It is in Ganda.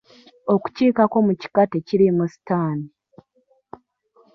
Okukiikako mu kika tekiriimu sitaani.